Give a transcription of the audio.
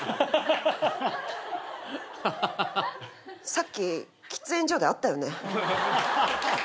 さっき喫煙所で会ったよね？